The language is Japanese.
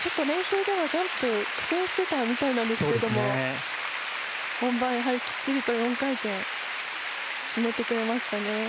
練習ではジャンプに苦戦していたみたいなんですけど、本番、やはりきっちりと４回転、決めてくれましたね。